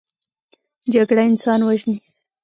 جګړه انسان وژني